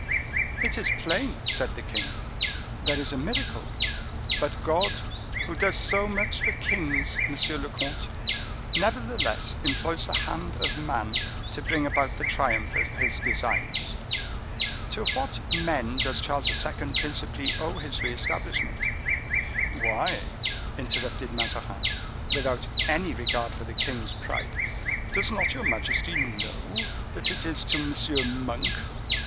"It is plain," said the king, "there is a miracle; but God, who does so much for kings, monsieur le comte, nevertheless employs the hand of man to bring about the triumph of His designs. To what men does Charles II. principally owe his re establishment?" "Why," interrupted Mazarin, without any regard for the king's pride—"does not your majesty know that it is to M. Monk?"